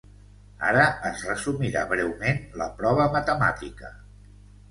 Ara es resumirà breument la prova matemàtica.